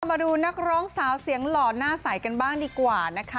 มาดูนักร้องสาวเสียงหล่อหน้าใสกันบ้างดีกว่านะคะ